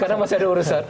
karena masih ada urusan